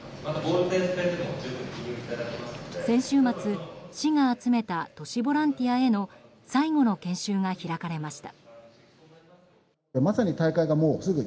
先週末、市が集めた都市ボランティアへの最後の研修が開かれました。